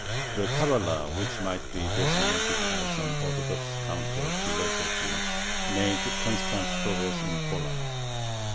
The Cabala, which might be designated as an Orthodox counter philosophy, made constant progress in Poland.